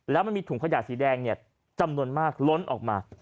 แล้วมันมีถุงขยะสีแดงจำนวนมากล้นออกมา